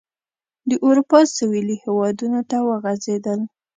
د اروپا سوېلي هېوادونو ته وغځېدل.